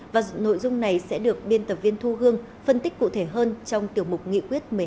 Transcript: và nội dung này sẽ được biên tập viên thu hương phân tích cụ thể hơn trong tiểu mục nghị quyết một mươi hai ngày hôm nay